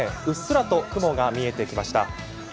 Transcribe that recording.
うっすらと雲が見えてきました。